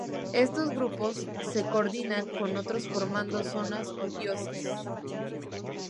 Estos grupos se coordinan con otros formando zonas o diócesis.